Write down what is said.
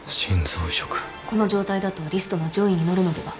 この状態だとリストの上位にのるのでは。